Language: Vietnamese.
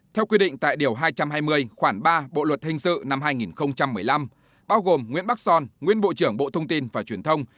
theo quy định tại điều hai trăm hai mươi khoảng ba bộ luật hình sự năm hai nghìn một mươi năm bao gồm nguyễn bắc son nguyên bộ trưởng bộ thông tin và truyền thông